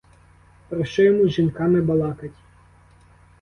Про що йому з жінками балакать?